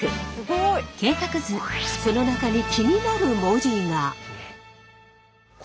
その中に気になる文字が。